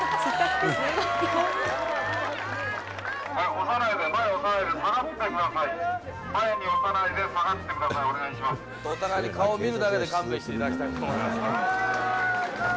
お互いに顔を見るだけで勘弁していただきたいと思います。